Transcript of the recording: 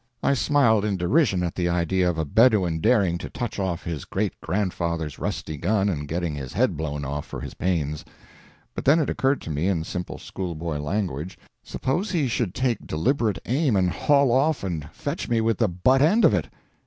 I smiled in derision at the idea of a Bedouin daring to touch off his great grandfather's rusty gun and getting his head blown off for his pains. But then it occurred to me, in simple school boy language, "Suppose he should take deliberate aim and 'haul off' and fetch me with the butt end of it?"